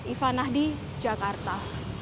iva nahdi jakarta